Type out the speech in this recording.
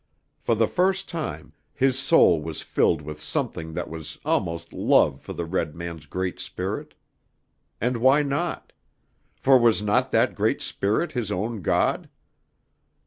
For the first time his soul was filled with something that was almost love for the red man's Great Spirit. And why not? For was not that Great Spirit his own God?